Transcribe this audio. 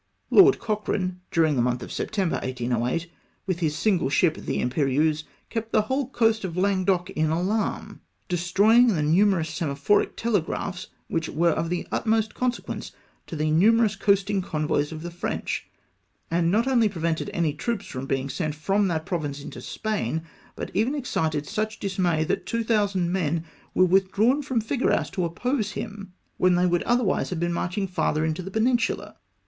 "Lord Cochrane, during the month of September 1808, with his single ship the Imperieuse, kept the whole coast of Languedoc in alarm, — destroyed the numerous semaphoric telegraphs, which were of the utmost consequence to the numerous coasting convoys of the French, and not only pre vented any troops from being sent from that province into Spain, but even excited such dismay that 2000 men were withdrawn from Figueras to oppose him, when they would otherwise have been marching farther into the peninsula.